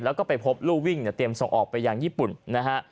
แล้วก็ไปพบรูวิ่งเนี่ยเตรียมส่งออกไปยังญี่ปุ่นนะฮะ